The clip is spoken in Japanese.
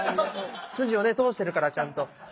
筋をね通してるからちゃんと。